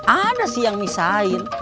ada sih yang nisain